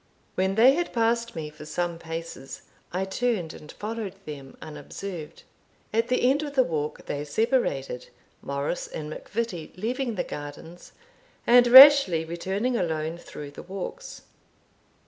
When they had passed me for some paces, I turned and followed them unobserved. At the end of the walk they separated, Morris and MacVittie leaving the gardens, and Rashleigh returning alone through the walks.